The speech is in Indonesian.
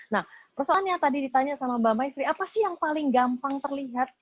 nah persoalannya tadi ditanya sama mbak maifri apa sih yang paling gampang terlihat